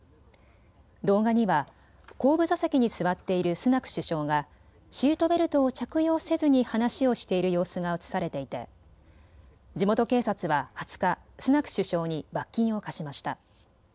動画には後部座席に座っているスナク首相がシートベルトを着用せずに話をしている様子が映されていて地元警察は２０日、スナク首相に罰金を科しました。